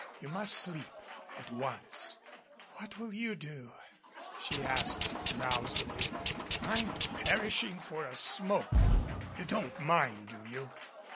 You must sleep at once." "What will you do?" she asked drowsily. "I'm perishing for a smoke. You don't mind, do you?"